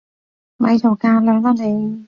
咪做架樑啦你！